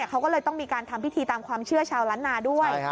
เขาก็เลยต้องมีการทำพิธีตามความเชื่อชาวล้านนาด้วย